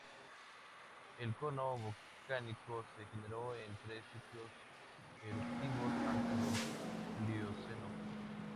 El cono volcánico se generó en tres ciclos eruptivos antes del Plioceno.